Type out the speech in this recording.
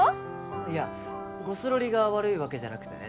いやゴスロリが悪いわけじゃなくてね